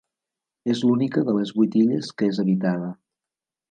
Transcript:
És l'única de les vuit illes que és habitada.